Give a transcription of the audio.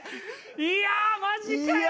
いやあマジかよ！